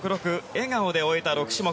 笑顔で終えた６種目。